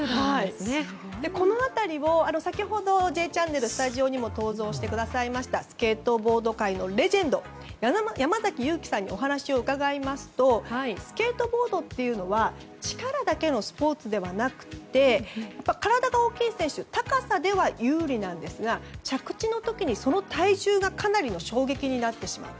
この辺りも先ほど「Ｊチャンネル」スタジオにも登場してくださいましたスケートボード界のレジェンド山崎勇亀さんにお話を伺いますとスケートボードというのは力だけのスポーツではなくて体が大きい選手高さでは有利なんですが着地の時に、その体重がかなりの衝撃になってしまう。